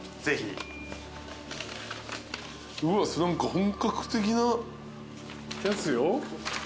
うわっ何か本格的なやつよ。